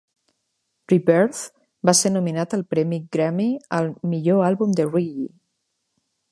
"Rebirth" va ser nominat al premi Grammy al 'Millor àlbum de reggae'.